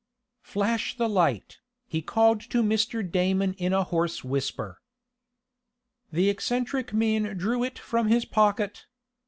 "Flash the light," he called to Mr. Damon in a hoarse whisper. The eccentric man drew it from his packet.